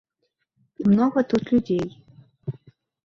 І многа тут людзей.